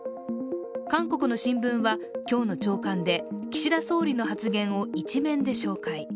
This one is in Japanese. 韓国の新聞は今日の朝刊で岸田総理の発言を一面で紹介。